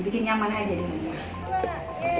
bikin nyaman aja di rumah